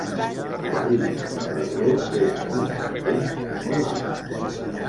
El risc de rebrot és ascendent i molt alt.